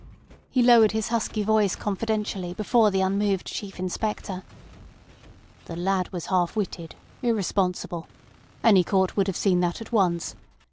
He lowered his husky voice confidentially before the unmoved Chief Inspector. "The lad was half witted, irresponsible. Any court would have seen that at once.